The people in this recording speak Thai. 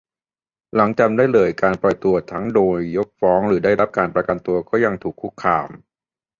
หลังจำเลยได้รับการปล่อยตัวทั้งโดยยกฟ้องหรือได้รับการประกันตัว ก็ยังถูกคุกคาม